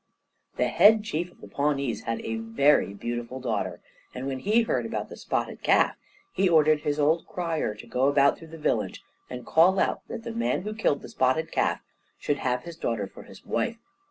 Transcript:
The Head Chief of the Pawnees had a very beautiful daughter, and when he heard about the spotted calf, he ordered his old crier to go about through the village and call out that the man who killed the spotted calf should have his daughter for his wife.